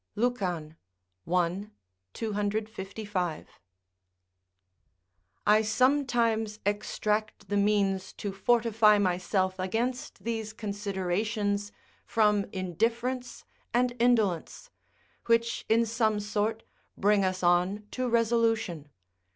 Lucan, i. 255.] I sometimes extract the means to fortify myself against these considerations from indifference and indolence, which, in some sort, bring us on to resolution.